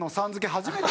初めて。